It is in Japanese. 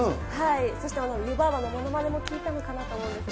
そして、湯婆婆のものまねも効いたのかなと思うんですが。